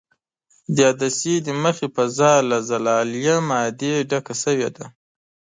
د عدسیې د مخې فضا له زلالیه مادې ډکه شوې ده.